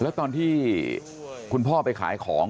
แล้วตอนที่คุณพ่อไปขายของ